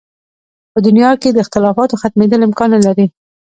په دې دنیا کې د اختلافاتو ختمېدل امکان نه لري.